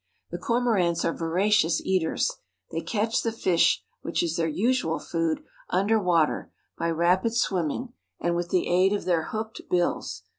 The Cormorants are voracious eaters. They catch the fish, which is their usual food, under water by rapid swimming and with the aid of their hooked bills.